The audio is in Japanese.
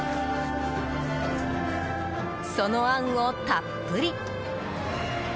そのあんをたっぷり。